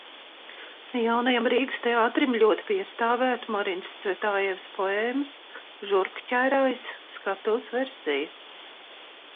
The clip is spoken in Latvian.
Jaunajam Rīgas teātrim ļoti piestāvētu Marinas Cvetajevas poēmas "Žurkķērājs" skatuves versija.